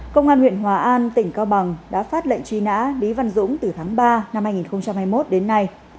công an huyện hòa an tỉnh cao bằng đã phát lệnh truy nã lý văn dũng từ tháng ba năm hai nghìn hai mươi một đến nay